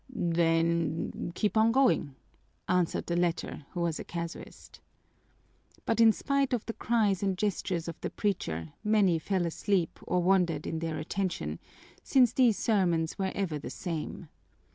"Then keep on going!" answered the latter, who was a casuist. But in spite of the cries and gestures of the preacher many fell asleep or wandered in their attention, since these sermons were ever the same.